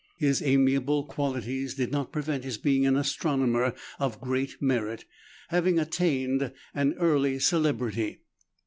His amiable qualities did not prevent his being an astronomer of great merit, having attained an early celebrity.